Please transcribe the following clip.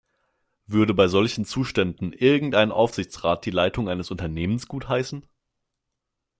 Würde bei solchen Zuständen irgendein Aufsichtsrat die Leitung eines Unternehmens gutheißen?